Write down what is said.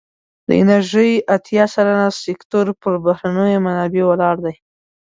د انرژی اتیا سلنه سکتور پر بهرنیو منابعو ولاړ دی.